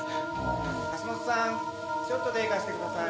橋本さんちょっと手貸してください。